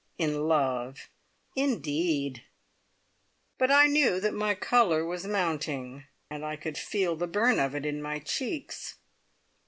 In love, indeed!" But I knew that my colour was mounting, I could feel the burn of it in my cheeks.